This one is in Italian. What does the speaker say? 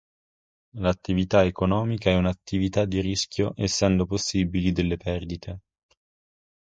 L'attività economica è un'attività di rischio essendo possibili delle perdite.